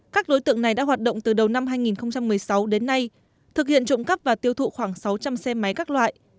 các đối tượng này đã hoạt động từ đầu năm hai nghìn một mươi sáu đến nay thực hiện trộm cắp và tiêu thụ khoảng sáu trăm linh xe máy các loại